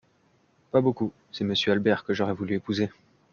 Pas, beaucoup ; c’est Monsieur Albert que j’aurais voulu épouser !